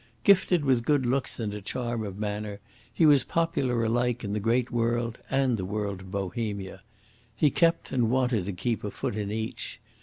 Gifted with good looks and a charm of manner, he was popular alike in the great world and the world of Bohemia. He kept and wanted to keep a foot in each.